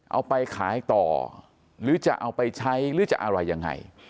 เอาไปขายต่อหรือจะเอาไปใช้หรือจะอะไรยังไง